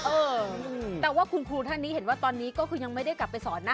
เออแต่ว่าคุณครูท่านนี้เห็นว่าตอนนี้ก็คือยังไม่ได้กลับไปสอนนะ